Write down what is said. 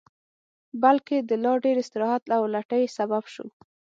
بلکې د لا ډېر استراحت او لټۍ سبب شو